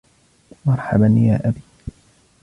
مرحباً يا أبي.